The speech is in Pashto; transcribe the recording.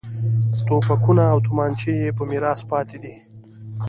توپکونه او تومانچې یې په میراث پاتې دي.